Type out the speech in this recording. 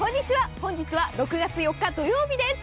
本日は６月４日土曜日です。